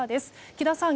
木田さん